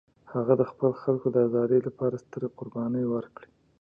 هغه د خپل خلکو د ازادۍ لپاره سترې قربانۍ ورکړې.